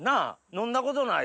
飲んだことない。